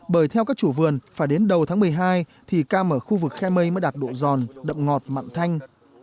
bởi theo các chủ vườn phải đến đầu tháng một mươi hai thì cam ở khu vực khe mây mới đạt độ giòn đậm ngọt mặn thanh